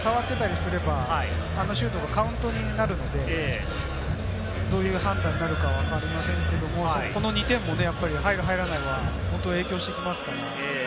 触ってたりすれば、あのシュートがカウントになるので、どういう判断になるかわかりませんけれども、この２点も入る、入らないは本当に影響してきますから。